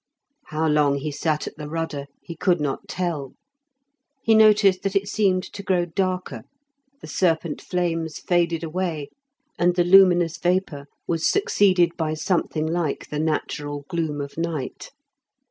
How long he sat at the rudder he could not tell; he noticed that it seemed to grow darker, the serpent flames faded away, and the luminous vapour was succeeded by something like the natural gloom of night.